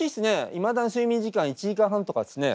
いまだに睡眠時間１時間半とかですね。